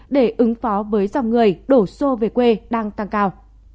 để ứng phó với dòng người đổ xô về quê đang tăng cao